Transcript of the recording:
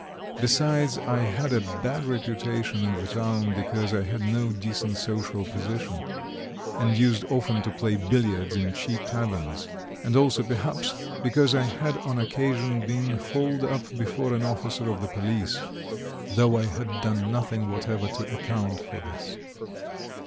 Besides, I had a bad reputation in the town because I had no decent social position, and used often to play billiards in cheap taverns, and also, perhaps, because I had on two occasions been hauled up before an officer of the police, though I had done nothing whatever to account for this.